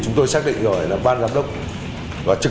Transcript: chúng tôi xác định rồi là ban giám đốc